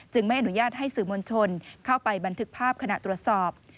ไม่อนุญาตให้สื่อมวลชนเข้าไปบันทึกภาพขณะตรวจสอบ